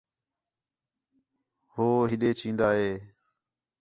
ہُو ہِݙے چین٘دا ھے